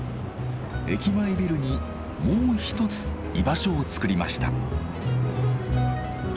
駅前ビルにもう一つ居場所を作りました。